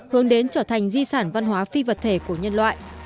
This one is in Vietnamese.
hướng đến trở thành di sản văn hóa phi vật thể của nhân loại